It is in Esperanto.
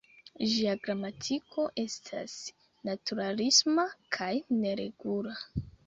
Ĝia gramatiko estas naturalisma kaj neregula.